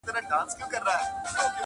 څوک چي نه لري دا دواړه بختور دی؛